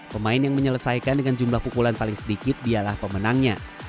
pemain yang menyelesaikan dengan jumlah pukulan paling sedikit dialah pemenangnya